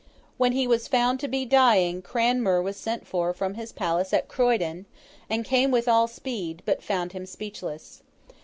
When he was found to be dying, Cranmer was sent for from his palace at Croydon, and came with all speed, but found him speechless.